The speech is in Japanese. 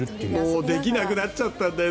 もうできなくなっちゃったんだよ